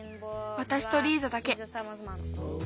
わたしとリーザだけ。